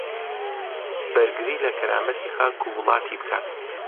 بەرگری لە کەرامەتی خاک و وڵاتی بکات